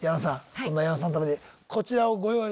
そんな矢野さんのためにこちらをご用意したんです。